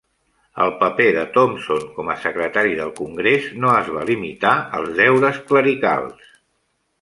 El paper de Thomson com a secretari del Congrés no es va limitar als deures clericals.